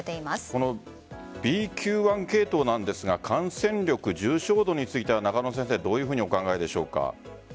このＢＱ．１系統なんですが感染力、重症度についてはどういうふうにお考えでしょうか？